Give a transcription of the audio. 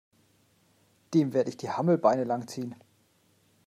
Dem werde ich die Hammelbeine lang ziehen!